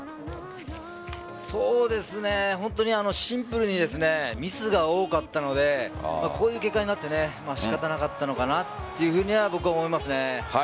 本当にシンプルにミスが多かったのでこういう結果になって仕方なかったのかなというふうには僕は思います。